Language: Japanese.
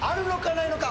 ないのか？